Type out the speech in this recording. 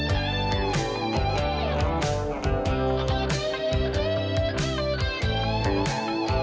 จะพื้นกันเดินด้วยใจอดทน